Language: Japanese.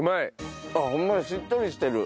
あっホンマやしっとりしてる。